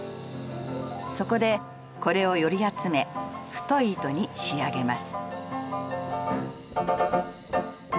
そこで、これをより集め太い糸に仕上げます。